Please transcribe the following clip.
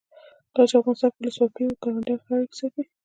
کله چې افغانستان کې ولسواکي وي ګاونډیان ښه اړیکې ساتي.